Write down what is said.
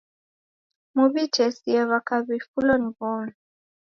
Muw'itesie w'aka w'ifulo ni w'omi.